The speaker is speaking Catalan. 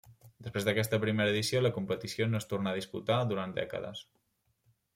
Després d'aquesta primera edició la competició no es tornà a disputar durant dècades.